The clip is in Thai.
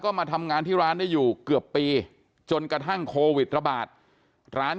มาทำงานที่ร้านได้อยู่เกือบปีจนกระทั่งโควิดระบาดร้าน